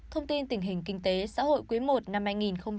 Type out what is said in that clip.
thông tin tình hình kinh tế xã hội quý i năm hai nghìn hai mươi